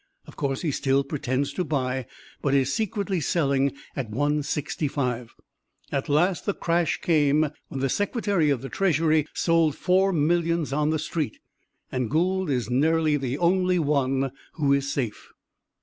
Of course, he still pretends to buy, but is secretly selling at 165. At last the crash came, when the Secretary of the Treasury sold four millions on the street, and Gould is nearly the only one who is safe.